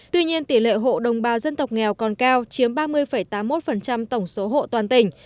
tuy nhiên tỷ lệ hộ đồng bào dân tộc nghèo còn cao chiếm ba mươi tám mươi một tổng số hộ toàn tỉnh